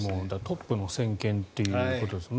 トップの専権ということです。